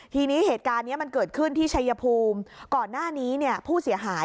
ทีนี้เหตุการณ์เนี้ยมันเกิดขึ้นที่ชัยภูมิก่อนหน้านี้เนี่ยผู้เสียหาย